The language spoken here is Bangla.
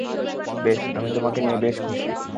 বেশ, আমি তোমাকে নিয়ে বেশ খুশি।